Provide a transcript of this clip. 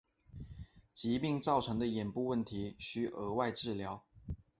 疾病造成的眼部问题需额外治疗。